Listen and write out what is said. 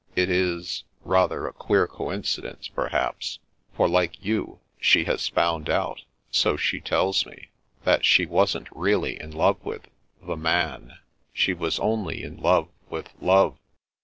It is — ^rather a queer coincidence, perhaps, for like you, she has found out, so she tells me — ^that she wasn't really in love with — ^the man. She was only in love with love."